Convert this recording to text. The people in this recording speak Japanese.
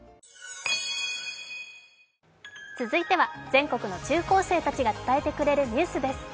全国の中高生たちが伝えてくれるニュースです